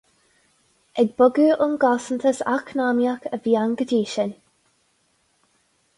Ag bogadh ón gcosantas eacnamaíoch a bhí ann go dtí sin.